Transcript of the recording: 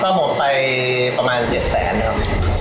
ก็หมดไปประมาณเจ็ดแสนนะครับ